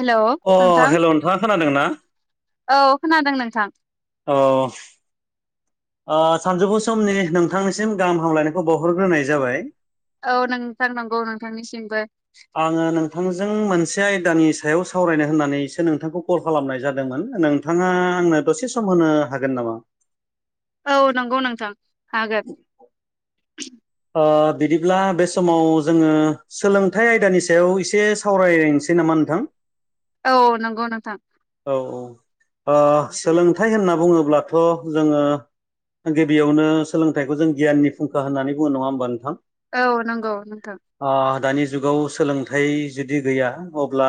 हेल' अ नोंथां। हेल' नोंथाङा खोनादों ना? औ खोनादों नोंथां। औ ओ सानजौफु समनि नोंथांनिसिम गाहाम हामलायनायखौ बावहरग्रोनाय जाबाय। औ नोंथां नंगौ नोंथांनिसिमबो। आङो नोंथांजों मोनसे आदानि सायाव सावरायनो होननानैसो नोंथांखौ कल खालामनाय जादोंमोन नोंथाङा आंनो दसे सम होनो हा हागोन नामा। औ नंगौ नोंथां हागोन। ओ बिदिब्ला बे समाव जोङो सोलोंथाइ आयदानि सायाव एसे सावरायनोसै नामा नोंथ थां। औ नंगौ नोंथां। औ औ सोलोंथाइ होनना बुङोब्लाथ' जोङो। गिबियावनो सोलोंथाइखौ जों गियाननि फुंखा होननानै बुङो नङा होमबा नोंथां। औ नंगौ नोंथां। ओ दानि जुगाव सोलोंथाइ जुदि गैया अब्ला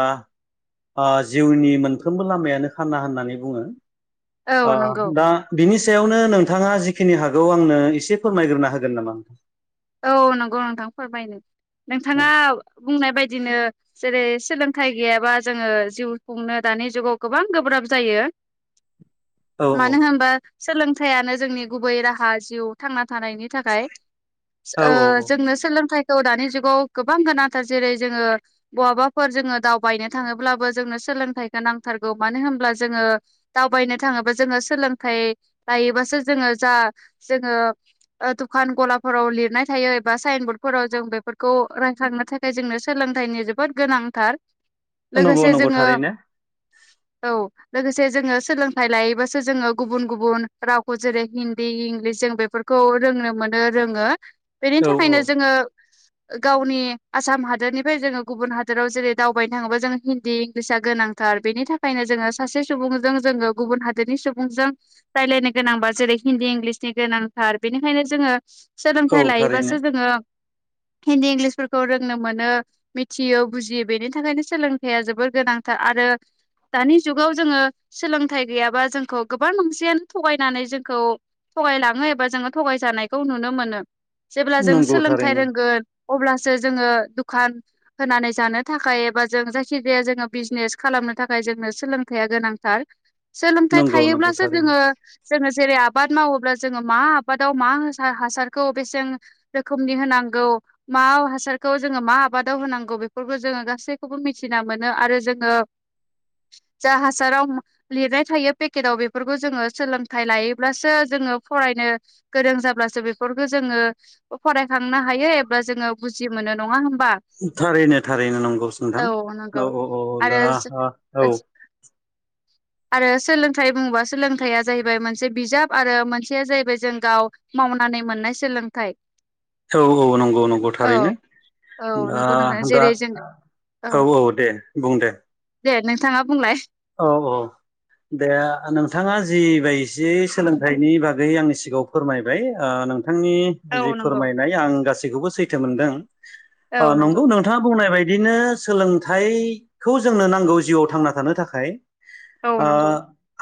जिउनि मोन। सफ्रोमबो लामायानो खाना होननानै बुङो औ ओ नंगौ दा बिनि सयावनो नोंथाङा जिखिनि हागौ आंनो एसे फोरमायग्रोना होगोन नामा। औ नंगौ नोंथां फोरमायनो नोंथाङा बुंनाय बायदिनो। जेरै सोलोंथाइ गैयाबा जोङो जिउ खुंनो दानि जुगाव गोबां गोब्राब जायो। [inaudible] औ मानो होनबा सोलोंथायाइयानो जोंनि गुबै राहा जिउ थांना। [inaudible] नि थाखाय औ ओ औ औ जोंनो सोलों सोलोंथाइखौ दानि जुगाव गोबां गोनांथार जेरै जोङो बहाबाफोर जोङो दावबायनो थाङोब्लाबो जोंनो सोलोंथायखौ नांथारगौ मानो होनब्ला जोङो दावबायनो थाङोबा जोङो सोलोंथाइ लायोब्लासो जोङो ओ दुकान गलाफोर फोराव लिरनाय थायो एबा साइन बरर्डफोराव जों बेफोरखौ रायखांनो थाखाय जोंनो सोलोंथाइनि जोबोद गोनां। नांथार। नंगौ नंगौ थारैनो। औ लोगोसे जोङो सोलोंथाइ, लायोबासो जोङो गुबुन गुबुन रावखौ जेरै हिन्दी इं लिस जों बेफोरखौ रोंनो मोनो रोङो बेनि औ औ थाखायनो जोङो [inaudible] गावनि आसाम हादोरनिफ्राय जोङो गुबुन हादोराव जेरै दावबायनो थाङोब्ला जोङो हिन्दी इंलिसा गोनांथार बेनि थाखायनो जोङो सासे सुबुंजों जोङो गुबुन हादोरनि सुबुंजों रायलायनो गोनांबा जेरै हिन्दी इंलिसनि गोनांथार बेनिखायनो जोङो औ सोलोंथाइ थारैनो लायोबासो जोङो [inaudible] हिन्दी इंलिसफोरखौ रोंनो मोनो मिथियो बुजियो बेनि थाखायनो सोलोंथायया जोबोर गोनांथार आरो। आरो। दानि जुगाव जोङो सोलोंथाइ गैयाबा जोंखौ गोबां मोनसेयानो थगायनानै जोंखौ थगायलाङो एबा जोङो थगायजानायखौ नुनो मोनो जेब्ला जों नंगौ सोलोंथाइ थारैनो रोंगोन अब्लासो जोङो दुखान होनानै जानो थाखाय एबा जों जायखि जाया जोङो बिजनेस खालाम नो थाखाय जोंनो सोलोंथाइया गोनांथार। सोलोंथाइ नंगौ नंगौ थायोब्लासो थारैनो जोङो जोङो जेरै आबाद मावोब्ला जोङो मा आबादाव मा हासार हासारखौ बेसेन रोखोमनि होनांगौ मा हासारखौ जोङो मा आबादाव होनांगौ‌। बेफोरखौ जोङो गासैखौबो मिथिना मोनो आरो जोङो जा हासाराव लिरनाय थायो पेकेटआव बेफोरखौ जोङो सोलोंथायाइ लायोब्लासो जों जोङो फरायनो गोरों जाब्ला बेफोरखौ जोङो फरायखांनो हायो एबा जोङो बुजि मोनो नङा होनबा। थारैनो थारैनो नंगौ नोंथां औ नंगौ औ औ औ आरो दा ओ औ। [inaudible] आरो सोलोंथाइ बुङोबा सोलोंथाइया जाहैबाय मोनसे बिजाब आरो मोनसेया जाहैबाय जों गाव मावनानै मोननाय सोलोंथाइ औ औ नंगौ नंगौ औ थारैनो औ नंगौ नोंथां ओ दा जेरै जों औ औ दे बुं दे दे नोंथाङा बुंलाय औ औ दे नोंथाङा जि बायदि सोलोंथाइनि बागै आंनि सिगाङाव फोरमायबाय नोंथां नोंथांनि औ जि नंगौ फोरमायनाय आं गासैखौबो सैथो मोनदों नंगौ नोंथाङा बुंनाय बायदि बिदिनो सोलोंथाइखौ जोंनो नांगौ जिउआव थांना थानो थाखाय औ नंगौ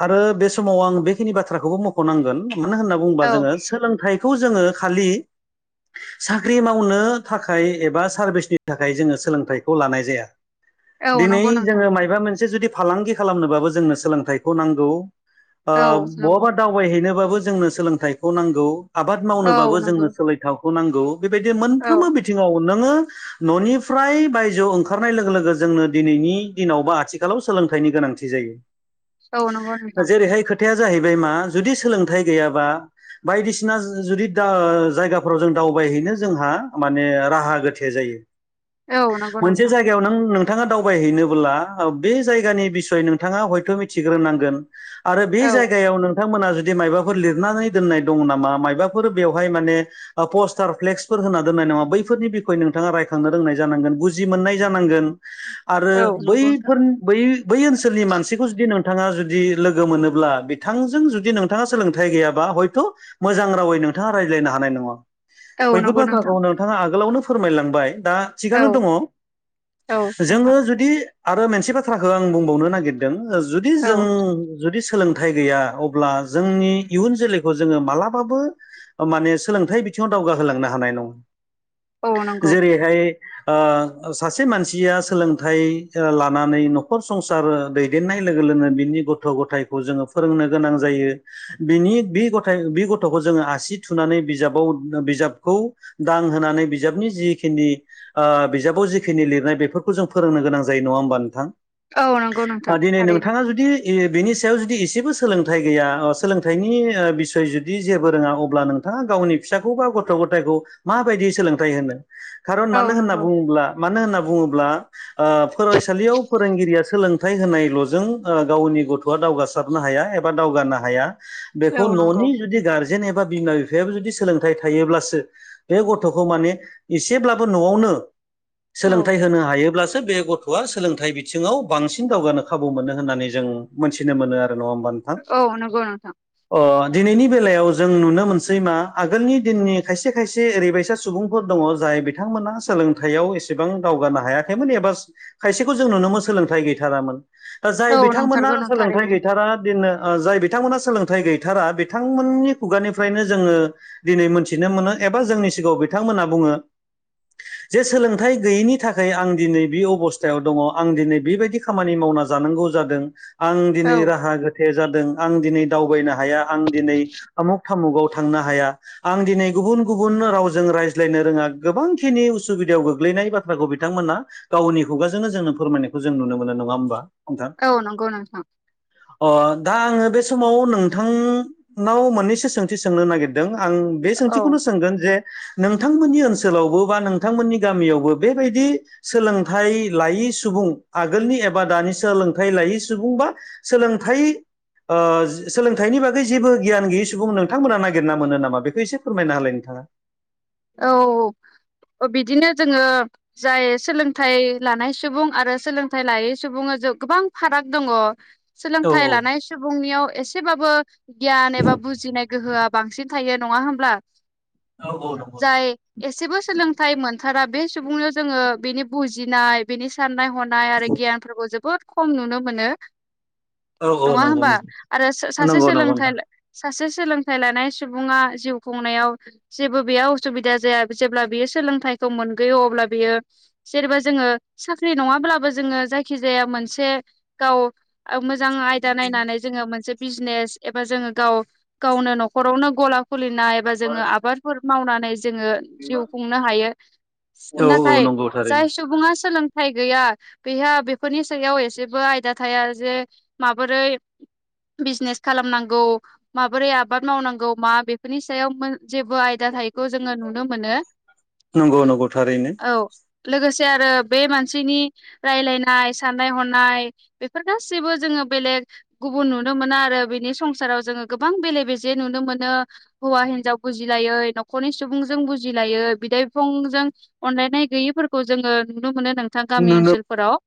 आरो बे समाव आं बेखिनि बाथ्राखौबो मख'नांगोन मानो होनना बुङोबा औ जोङो सोलोंथाइखौ जोङो खालि साख्रि मावनो थाखाय एबा सारभिसनि थाखाय जोङो सोलोंथाइखौ लानाय जाया औ दिनै नंगौ नोंथां जोङो माबा मोनसे जुदि फालांगि खालामनोबाबो जोंनो सोलोंथाइखौ नांगौ औ नंगौ बहाबा दावबायहैनोबाबो जोंनो सोलोंथाइखौ नांगौ आबाद औ मावनोबाबो जोंनो नंगौ सोलोंथाखौ नांगौ बेबायदि औ मोनफ्रोमबो बिथिङाव नोङो न'निफ्राय बायजोआव ओंखारनाय लोगो लोगो जोंनो दिनैनि दिनाव बा आथिखालाव सोलोंथाइनि गोनांथि जायो औ नंगौ नोंथां जेरैहाय खोथाया जाहैबाय मा जुदि सोलोंथाइ गैयाबा बायदिसिना जुदि जायगाफोराव जों दावबायहैनो जोंहा माने राहा गोथे जायो औ नंगौ मोनसे नोंथां जायगायाव नों नों नोंथाङा दावबायहैनोबोब्ला बे जायगानि बिसय नोंथाङा हयथ' मिथिग्रोनांगोन आरो बे औ जायगायाव नों थांमोना जुदि मायबाफोर लिरनानै दोननाय दं नामा मायबाफोर बेवहाय माने पस्टार फ्लेक्सफोर होनना दोननाय नङा बैफोरनि बिखय नोंथाङा रायखांनो रोंनाय जानांगोन बुजि मोननाय जानांगोन आरो औ नंगौ नोंथां बैफोर बै बै ओनसोलनि मानसिखौ जुदि नोंथाङा जुदि लोगो मोनोब्ला बिथांजों जुदि नोंथाङा सोलोंथाइ गैयाबा हयथ' मोजां रावै नोंथाङा राय हानाय नङा औ बैफोर नंगौ नोंथां बाथ्राखौ नोंथाङा आगोलावनो फोरमायलांबाय दा थिगानो औ दङ औ जोङो नोंथां जुदि आरो मोनसे बाथ्राखौ आं बुंबावनो नागिरदों जुदि औ जों जुदि सोलोंथाइ गैया अब्ला जोंनि इयुन जोलैखौ जोङो मालाबाबो माने सोलोंथाइ बिथिङाव दावगाहोलांनो हानाय औ नङा नंगौ जेरैहाय सासे मानसिया सोलोंथाइ लानानै न'खर संसार दैदेननाय लोगो लोगोनो बिनि गथ' गथायखौ जोङो फोरोंनो गोनां जायो बिनि गथ'खौ जोङो आसि थुनानै बिजाबाव बिजाबखौ दां होनानै बिजाबनि जिखिनि बिजाबाव जिखिनि लिरनाय बेफोरखौ जों फोरोंनो गोनां जायो नङा होनबा नोंथां औ नंगौ नोंथां ओ दिनै थारैनो नोंथांङा जुदि सायाव जुदि एसेबो सोलोंथाइ गैया सोलोंथाइनि बिसय जुदि जेबो रोङा अब्ला नोंथाङा गावनि फिसाखौ बा गथ' गथायखौ माबायदि सोलोंथाइ होनो खारन औ मानो होनना नंगौ बुङोब्ला मानो होनना बुङोब्ला ओ फरायसालियाव फोरोंगिरिया सोलोंथाइ होनायल'जों गावनि गथ'आ दावगासारनो हाया एबा दावगा नो हाया औ बेखौ नंगौ न'नि जुदि गारजेन एबा बिमा बिफायाबो जुदि सोलोंथाइ थायोब्लासो बे गथ'खौ माने एसेब्लाबो न'आवनो औ सोलोंथाइ होनो हायोब्लासो बे गथ' आ सोलोंथाइ बिथिङाव बांसिन दावगानो खाबु मोनो होननानै जों मोनथिनो मोनो आरो नङा होमबा नोंथां औ नंगौ नोंथां अ दिनैनि बेलायाव जों नुनो मोनसै मा आगोलनि दिननि खायसे खायसे ओरैबायसा सुबुंफोर दङ जाय बिथांमोना सोलोंथाइयाव एसेबां दावगानो हायाखैमोन एबा खायसेखौ जों नुदोंमोन सोलोंथाइ गैथारामोन दा जाय औ बिथांमोना नंथारगौ नों सोलोंथाइ थारैनो गैथारा दिननो ओ जाय बिथांमोना सोलोंथाइ गैथारा बिथांमोननि खुगानिफ्रायनो जोङो दिनै मोनथिनो मोनो। एबा जोंनि सिगाङाव बिथांमोनहा बुङो। जे सोलोंथाइ गैयैनि थाखाय आं दिनै बे अबस थायाव दङ आं दिनै बेबायदि खामानि मावना जानांगौ जादों आं औ दिनै राहा गोथे जा दों आं दिनै दावबायनो हाया आं दिनै आमुग थामुगाव थांनो हाया आं दिनै गुबुन-गुबुन रावजों रायज्लायनो रोङा गोबांखिनि उसुबिदायाव गोग्लै नाय बाथ्राखौ बिथांमोना गावनि खुगाजोंनो जोंनो फोरमायनायखौ जों नुनो मोनो नङा होमबा? नोंथां औ नंगौ नोंथां अ दा आङो बे। समाव नोंथांनाव मोननैसो सोंथि सोंनो नागिरदों आं बे औ सोंथिखौनो सोंगोन जे नों नोंथांमोननि ओनसोलावबो बा नोंथांनि गामियावबो बेबायदि सोलों थाइ लायै सुबुं आगोलनि एबा दानि सोलोंथाइ लायै सुबुं बा सोलोंथाइ ओ सोलोंथाइनि बागै जेबो गियान गैयै सुबुं नोंथांमोना नागिरना मोनो नामा बेखौ एसे फोरमायना होलाय नों [unintelligible] औ-औ औ। अ बिदिनो जोङो जाय सोलोंथाइ लानाय सुबुं आरो सोलोंथाइ लायै सुबुङा गोबां फाराग दङ' औ सोलोंथाइ लानाय सुबुंनियाव एसेबाबो गियान एबा बुजिनाय गोहोआ बांसिन थायो नङा होमब्ला औ-औ नं जाय एसेबो सोलोंथाइ मोनथारा बे सुबुंनियाव जोङो बेनि बुजिनाय बिनि साननाय हनाय आरो गियानफोरखौ जोबोद खम नुनो मोनो औ नङा नंगौ होमबा आरो सासे नंगौ नंगौ सोलोंथाइ नोंथां सासे सोलोंथाइ लानाय सुबुङा जिउ खुंनायाव जेबो बेयाव सुबिदा जाया जेब्ला बियो सोलोंथाइखौ मोनगयो अब्ला बियो जेनेबा जोङो साख्रि नङा ब्लाबो जोङो जायखि जाया मोनसे गाव ओ मो जां आयदा नायनानै जोङो मोनसे बिजनेस एबा जोङो गाव गावनो न'खरावनो गला खुलिनाय एबा जोङो आबादफोर मावनानै जोङो जिउ खुंनो हायो औ औ नाथाय नंगौ थारैनो जाय सुबुङा सोलों थाइ गैया बेहा बेफोरनि सायाव एसेबो आयदा थाया जे माबोरै बिजनेस खालामनांगौ माबोरै आबाद मावनांगौ मा बेफोरनि सायाव जेबो आयदा थायिखौ जोङो नुनो मोनो नंगौ नंगौ थारैनो औ लोगोसे आरो बे मानसिनि रायलायनाय साननाय हनाय बेफोर गासैबो जों जोङो बेलेख गुबुन नुनो मोना आरो बिनि संसाराव जोङो गोबां बेले-बेजे नुनो मोनो हौवा हिनजाव बुजिलायै न'खरनि सुबुंजों बुजिलायो बिदाय बिफंजों अनलायनाय गैयैफोरखौ जोङो नुनो मोनो। नोंथां गामि नुनो ओनसोलफोराव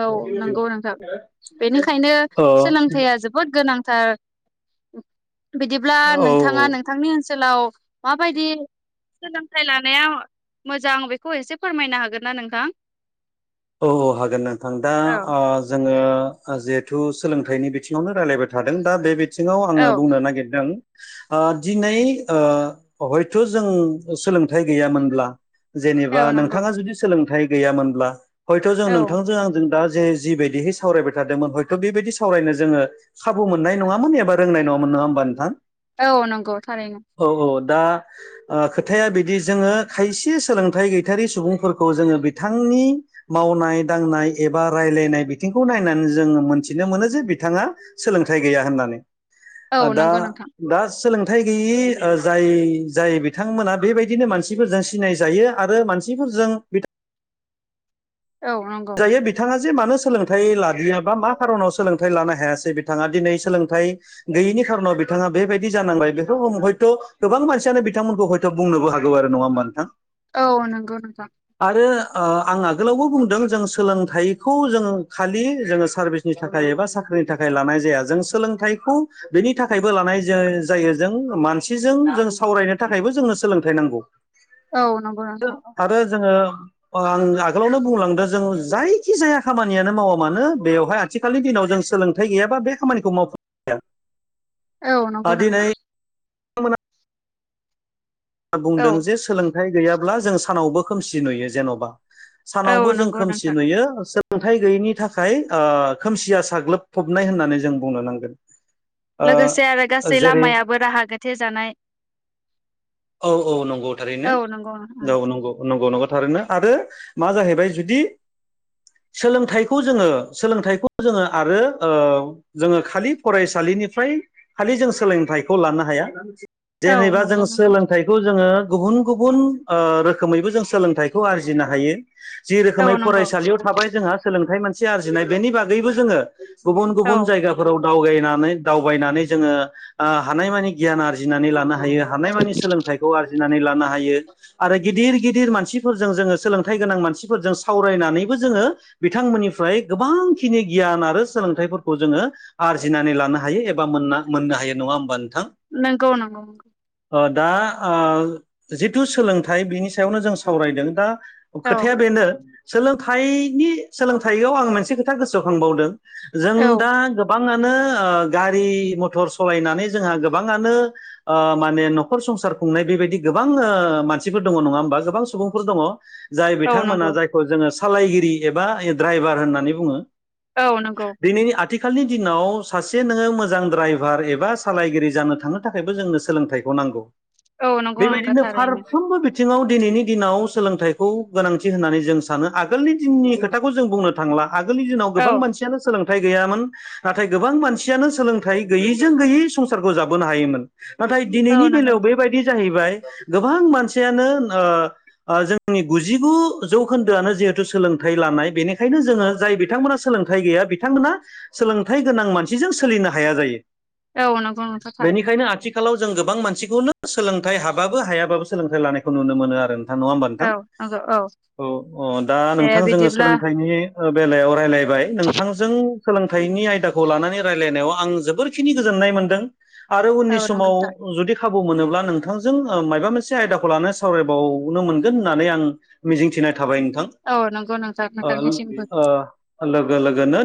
औ नंगौ नोंथां बेनिखायनो अ सोलोंथाइया जोबोद गोनां। सार बिदिब्ला औ नोंथाङा नोंथांनि ओनसोलाव माबायदि। सोलोंथाइ लानाया मोजां बेखौ एसे फोरमायनो हागोन ना नोंथां? औ औ हागोन नोंथां दा औ जोङो जिहेथु सोलोंथाइनि बिथिङावनो राय्लायबाय थादों दा बे बिथिङाव आङो औ बुंनो नागिरदों दिनै हयथ' जों सोलोंथाइ गैयामोनब्ला जेनेबा औ नंगौ नोंथाङा जुदि सोलोंथाइ गैयामोनब्ला हयथ' जों औ नोंथांजों आंजों दा जे जिबायदिहै सावरायबाय थादोंमोन हयथ' बेबायदि सावरायनो जोङो खाबु मोननाय नङामोन एबा रोंनाय नङामोन नङा होमबा नोंथां औ नंगौ थारैनो। औ औ दा खोथाया बिदि जोङो खायसे सोलोंथाइ गैथारि सुबुंफोरखौ जोङो बिथांनि मावनाय दांनाय एबा रायलायनाय बिथिंखौ नायनानै जोंङ मोनथिनो मोनो जे बिथाङा सोलों फिथाइ गैया होननानै औ दा नंगौ नोंथां सोलोंथाइ गैयि जाय जाय बिथांमोना बेबायदिनो मानसिफोरजों सिनाय जायो आरो मानसिफोरजों बिथां औ नंगौ। जे मानो सोलोंथाइ लादिया बा मा खारनाव सोलोंथाइ लानो हायासै बिथाङा दिनै सोलोंथाइ गैयिनि खारनाव बिथाङा बेबायदि जानांबाय बेखौ हयथ' गोबां मानसियानो बिथांमोनखौ हयथ' बुंनोबो हागौ आरो नङा होमा नोंथां? औ नंगौ नोंगां। आरो आं आगोलावबो बुंदों जों सोलोंथाइखौ जोङो खालि जोङो सारभिसनि थाखाय एबा साख्रिनि थाखाय लानाय जाया जों सोलोंथाइ थायखौ बेखौ बेनि थाखायबो लानाय जायो जों मानसिजों जों सावरायनो थाखायबो जोंनो सोलों सोलोंथाइ नांगौ। औ नंगौ नोंथां। आरो जोङो आ आगोलावनो बुंलांदों जों जायखि जाया खामानियानो मावा मानो बेवहाय आथिखालनि दिनाव जों सोलोंथाइ गैयाबा बे खामानिखौ मावफ औ। औ नंगौ नोंथां। नामना [unintelligible] औ बुंदों जे सोलोंथाइ गैयाब्ला जों सानावबो खोमसि नुयो जेन'बा। औ सानावबो जों नंगौ खोमसि नोंथां नुयो सोर सोलोंथायाइ गैयैनि थाखाय खोमसिया साग्लोबफबनाय होननानै जों बुंनो नांगोन। ओ लोगोसे आरो गासै जेरै लामायाबो राहा गोथे जानाय। औ औ नंगौ थारैनो औ नंगौ। नंगौ नंगौ थारैनो आरो मा जाहैबाय जुदि, सोलोंथाइखौ जोङो सोलोंथाइखौ जोङो आरो जोङो खालि फरायसालि निफ्राय खालि जों सोलोंथाइखौ लानो हाया औ जेनेबा जों नंगौ नोंथां सोलोंथाइ बे खौ जोङो गुबुन गुबुन रोखोमैबो जों सोलोंथाइखौ आरजिनो हायो। जि रोखोमै औ नंगौ फरायसालियाव थाबाय जोंहा सोलोंथाइ मोनसे आरजिनाय बेनि बागैबो जोङो गुबुन औ गुबुन जायगाफोराव दावबायनानै दावबायनानै जोङो हानायमानि गियान आरजिनानै लानो हायो। हानायमानि सोलों खौ आरजिनानै लानो हायो आरो गिदिर गिदिर मानसिफोरजों जोङो सोलोंथाइ गोनां मानसिफोरजों सावराय जोङो बिथांमोननिफ्राय गोबांखिनि गियान आरो सोलोंथाइफोरखौ जोङो आरजिनाय नानै लानो हायो एबा मोननो हायो नङा होमबा नोंथां? नोंंगौ नंगौ नंगौ। दा जिथु सोलोंथाइ बिनि सायावनो जों सावरायदों दा औ खोथाया बेनो सोलोंथाइनि सोलोंथाइयाव आं मोनसे खोथा गोसोखांबावदों जों औ दा गोबां गोबांङानो गारि मथर सालायनानै जों हा गोबाङानो माने न'खर संसार खुंनाय बेबायदि गोबां मानसिफोर दङ नङा होमबा गोबां सुबुंफोर दङ जाय औ बिथांमोना नंगौ जायखौ जोङो सालायगिरि एबा दड्राइभार होननानै बुङो औ नंगौ दिनैनि आथिखालनि दिनाव सासे नोङो मोजां ड्राइभार एबा सालायगिरि जानो थांनो थाखायबो जोंनो सोलोंथाइखौ नांगौ औ नंगौ नोंथां बेबायदिनो थारैनो फारबो बिथिङाव दिनैनि दिनाव सोलोंथाइखौ गोनांथि होननानै जों सानो आगोलनि दिननि खोथाखौ जों बुंनो थांला आगोलनि दिनाव औ गोबां मानसियानो सोलोंथ थाय गैयामोन नाथाय गोबां मानसियानो सोलोंथाइ गैयैजों गैयै संसारखौ जाबोनो हायोमोन नाथाय औ दिनैनि नंगौ बेलायाव नोंथां बेबायदि गोबां मानसियानो जोंनि गुजिगु जौखोन्दोआनो जिहेतु सोलोंथाइ लानाय बेनिखायनो जोङो जाय बिथांमोना सोलोंथाइ गैया बिथांमोना सोलोंथाइ गोनां मानसि जों सोलिनो हाया जायो औ नंगौ नंथखादों न बेनिखायनो आथिखालाव जों गोबां मानसिखौनो सोलोंथाइ हाबाबो हायाबाबो सोलोंथाइ लानायखौ नुनो मोनो आरो नोंथां नङा होमबा नोंथां औ नंगौ औ अ दा दे नोंथां जोङो बिदिब्ला सोलोंथाइनि ओ बेलायाव रायलायबाय नोंथांजों सोलोंथाइनि आयदाखौ लानानै रायज्लायनायाव आं जोबोरखिनि गोजोननाय मोनदों आरो उननि औ नंगौ समाव नोंथां जुदि खाबु मोनोब्ला नोंथांजों माबा मोनसे आयदाखौ लानो सावरायबावनो मोनगोन होननानै आं मिजिंथिनाय थाबाय नोंथां औ नंगौ नोंथां ओ नोंथांनिसिमबो ओ लोगो लोगोनो